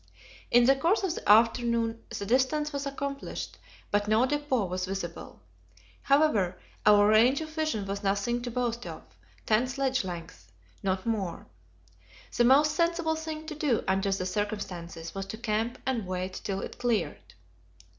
In the course of the afternoon the distance was accomplished, but no depot was visible. However, our range of vision was nothing to boast of ten sledge lengths; not more. The most sensible thing to do, under the circumstances, was to camp and wait till it cleared.